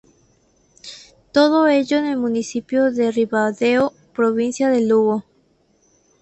Todo ello en el municipio de Ribadeo, provincia de Lugo.